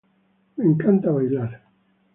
Me encanta bailar.